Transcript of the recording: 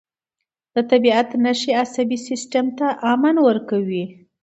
د طبیعت نښې عصبي سیستم ته امن ورکوي.